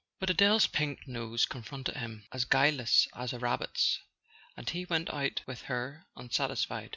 But Adele's pink nose confronted him, as guileless as a rabbit's, and he went out with her unsatisfied.